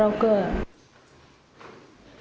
phòng cái đầu cơ